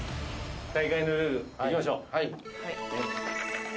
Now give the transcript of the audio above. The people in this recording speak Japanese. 大会のルール、いきましょう。